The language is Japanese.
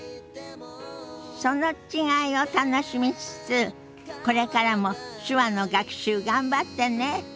その違いを楽しみつつこれからも手話の学習頑張ってね。